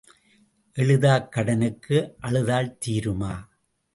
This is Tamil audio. எழுதாக் கடனுக்கு அழுதால் தீருமா?